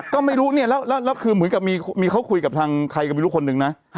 ก็ไม่รู้เนี่ยแล้วคือเหมือนกับมีเขาคุยกับทางใครก็ไม่รู้คนหนึ่งนะ